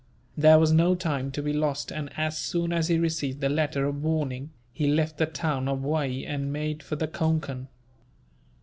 There was no time to be lost and, as soon as he received the letter of warning, he left the town of Waee and made for the Concan.